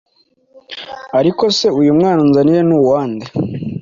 Ariko se uyu mwana unzaniye nuwande